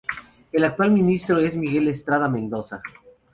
El actual Ministro es Miguel Estrada Mendoza.